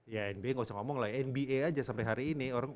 ya nba gausah ngomong lah ya nba aja sampe hari ini orang